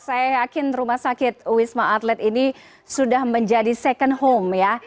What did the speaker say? saya yakin rumah sakit wisma atlet ini sudah menjadi second home ya